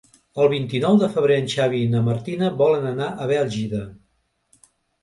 El vint-i-nou de febrer en Xavi i na Martina volen anar a Bèlgida.